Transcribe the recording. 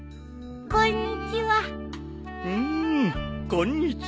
こんにちは。